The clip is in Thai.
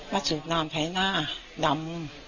มาสูบน้ำท้ายหน้าดำ